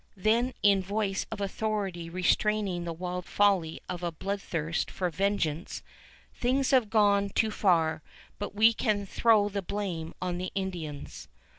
... Then in voice of authority restraining the wild folly of a bloodthirst for vengeance, "Things have gone too far, but we can throw the blame on the Indians."